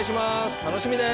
楽しみです。